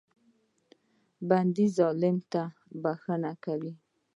بنده ظالم ته بښنه کوي.